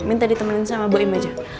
minta ditemenin sama bu im aja